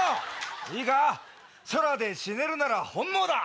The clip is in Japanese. いいか空で死ねるなら本望だ！